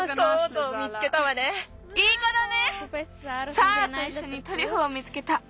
サーラといっしょにトリュフを見つけた。